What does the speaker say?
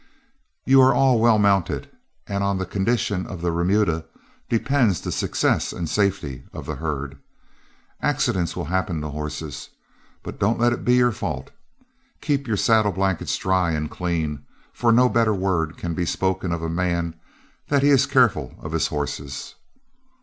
You are all well mounted, and on the condition of the remuda depends the success and safety of the herd. Accidents will happen to horses, but don't let it be your fault; keep your saddle blankets dry and clean, for no better word can be spoken of a man than that he is careful of his horses.